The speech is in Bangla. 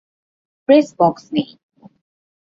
প্রেস বক্স নেই।